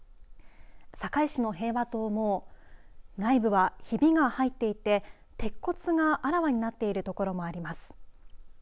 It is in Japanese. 堺市の平和塔も内部はひびが入っていて鉄骨があらわになっているところもあります。